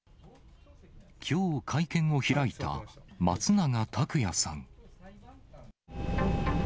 きょう会見を開いた、松永拓也さん。